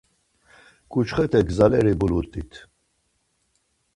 Ǩuçxete gzaleri bulut̆it.